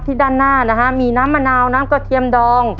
ด้านหน้านะฮะมีน้ำมะนาวน้ำกระเทียมดอง